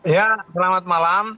ya selamat malam